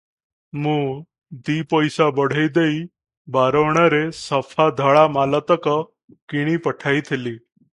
ମୁଁ ଦି ପଇସା ବଢେଇ ଦେଇ ବାର ଅଣାରେ ସଫା ଧଳା ମାଲତକ କିଣି ପଠାଇଥିଲି ।